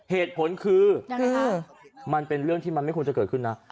เหตุผลคือยังไงมันเป็นเรื่องที่มันไม่ควรจะเกิดขึ้นนะ